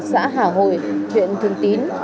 xã hà hồi huyện thường tín